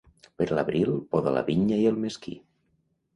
Per l'abril poda la vinya el mesquí.